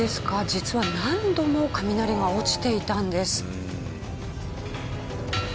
実は何度も雷が落ちていたんです。